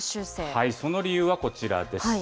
その理由はこちらです。